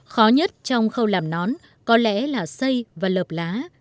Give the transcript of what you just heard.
khó nhất trong khâu làm nón có lẽ là xây và lợp lá